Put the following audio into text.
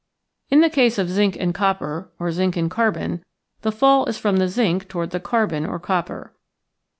In the case of zinc and copper, or zinc and carbon, the fall is from the zinc toward the carbon or copper.